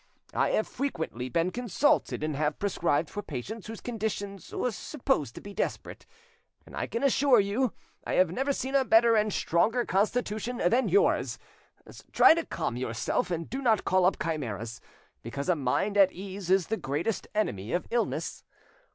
I have frequently been consulted, and have prescribed for patients whose condition was supposed to be desperate, and I can assure you I have never seen a better and stronger constitution than yours. Try to calm yourself, and do not call up chimeras; because a mind at ease is the greatest enemy of illness.